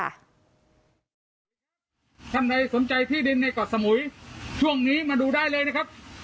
ท่านใดสนใจที่ดินในเกาะสมุยช่วงนี้มาดูได้เลยนะครับ